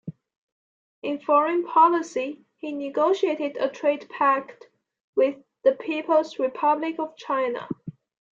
In foreign policy, he negotiated a trade pact with the People's Republic of China.